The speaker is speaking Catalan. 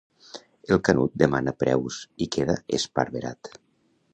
El Canut demana preus i queda esparverat.